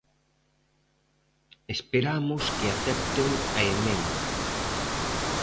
Esperamos que acepten a emenda.